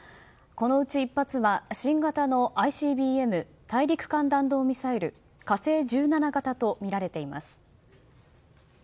このうち１発は、新型のＩＣＢＭ・大陸間弾道ミサイル「火星１７型」とみられています。